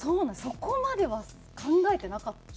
そこまでは考えてなかった。